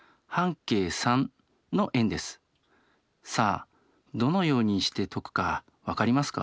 さあどのようにして解くか分かりますか？